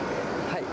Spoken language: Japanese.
はい。